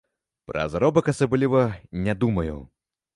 Пра заробак асабліва не думаю.